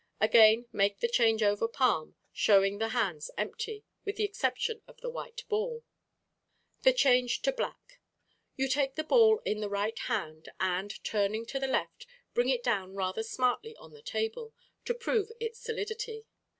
Again make the "Change over Palm," showing the hands empty, with the exception of the white ball. The Change to Black.—You take the ball in the right hand, and, turning to the left, bring it down rather smartly on the table, to prove its solidity.